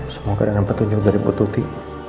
semoga dengan petunjuk dari puedo tyk